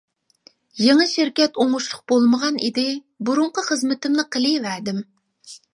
يېڭى شىركەت ئوڭۇشلۇق بولمىغان ئىدى، بۇرۇنقى خىزمىتىمنى قىلىۋەردىم.